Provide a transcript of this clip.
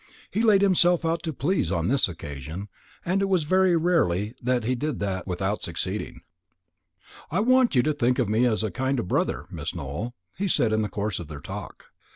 He laid himself out to please on this occasion, and it was very rarely he did that without succeeding. "I want you to think of me as a kind of brother, Miss Nowell," he said in the course of their talk.